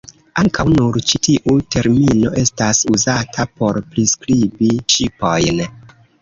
Ankaŭ nur ĉi tiu termino estas uzata por priskribi ŝipojn.